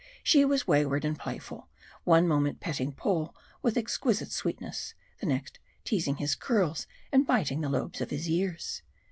She was wayward and playful one moment petting Paul with exquisite sweetness, the next teasing his curls and biting the lobes of his ears.